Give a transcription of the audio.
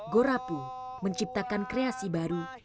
gorapu menciptakan kreasi baru